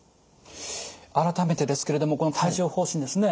改めてですけれどもこの帯状ほう疹ですね